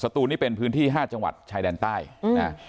สตูนนี่เป็นพื้นที่ห้าจังหวรรดิชายแดนใต้อืม